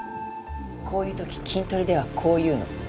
こういう時キントリではこう言うの。